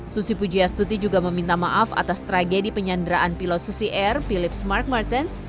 susi pujiastuti juga meminta maaf atas tragedi penyanderaan pilot susi air philips mark martens